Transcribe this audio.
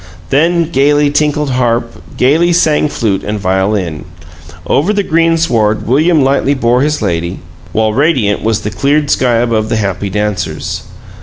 Then gaily tinkled harp, gaily sang flute and violin! Over the greensward William lightly bore his lady, while radiant was the cleared sky above the happy dancers.